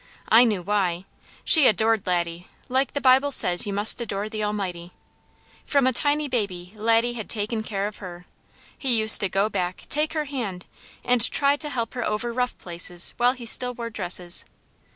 I knew why. She adored Laddie, like the Bible says you must adore the Almighty. From a tiny baby Laddie had taken care of her. He used to go back, take her hand, and try to help her over rough places while he still wore dresses.